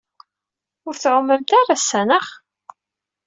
Ur tɛumemt ara ass-a, naɣ?